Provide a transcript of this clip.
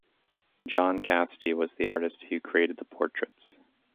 John Cassidy was the artist who created the portraits.